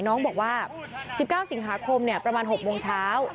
น้องบอกว่า๑๙สิงหาคมประมาณ๖โมงเช้า